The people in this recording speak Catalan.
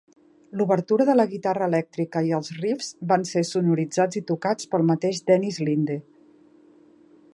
L'obertura de la guitarra elèctrica i els riffs van ser sonoritzats i tocats pel mateix Dennis Linde.